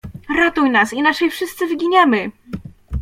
"Ratuj nas, inaczej wszyscy wyginiemy!"